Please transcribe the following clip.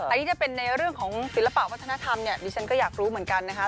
อันนี้จะเป็นในเรื่องของศิลปะวัฒนธรรมเนี่ยดิฉันก็อยากรู้เหมือนกันนะคะ